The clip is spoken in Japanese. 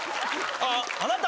あっあなた？